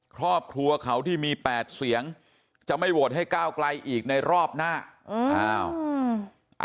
ครอบครัวเขาที่มี๘เสียงจะไม่โหวตให้ก้าวไกลอีกในรอบหน้า